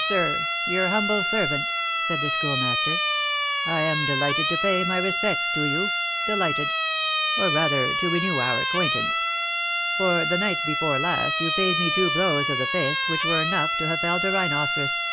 "Sir, your humble servant," said the Schoolmaster. "I am delighted to pay my respects to you delighted or, rather, to renew our acquaintance; for the night before last you paid me two blows of the fist which were enough to have felled a rhinoceros.